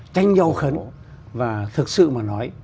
cũng khấn và thực sự mà nói